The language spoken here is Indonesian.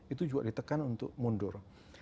itu juga ditekan untuk mundur